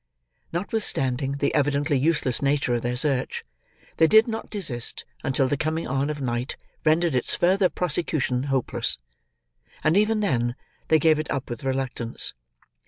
Notwithstanding the evidently useless nature of their search, they did not desist until the coming on of night rendered its further prosecution hopeless; and even then, they gave it up with reluctance.